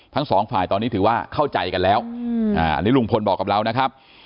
ทั้งสองฝ่ายตอนนี้ถือว่าเข้าใจกันแล้วอันนี้ลุงพลบอกกับเรานะครับ